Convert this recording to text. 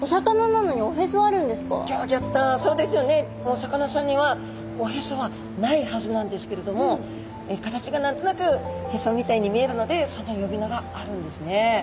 お魚さんにはおへそはないはずなんですけれども形が何となくへそみたいに見えるのでその呼び名があるんですね。